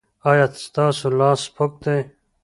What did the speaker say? ایا ستاسو لاس سپک دی؟